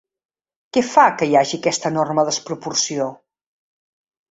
Què fa que hi hagi aquesta enorme desproporció?